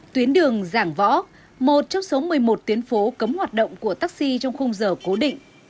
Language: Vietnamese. tuyến đường giảng võ một trong số một mươi một tuyến phố cấm hoạt động của taxi trong khung giờ cố định